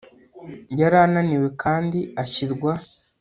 Yari ananiwe kandi ashyirwa